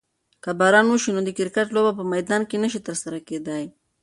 که باران وشي نو د کرکټ لوبه په میدان کې نشي ترسره کیدی.